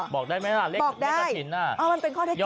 บอกได้ไหมล่ะเลขลงท้ายกระถิญ